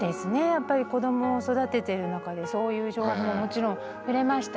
やっぱり子どもを育ててる中でそういう情報はもちろん触れましたし。